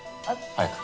早く。